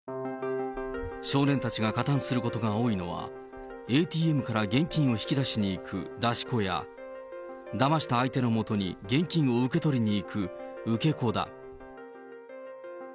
少年たちが加担することが多いのは、ＡＴＭから現金を引き出しに行く出し子や、だました相手のもとに現金を受け取りに行く受け子だ。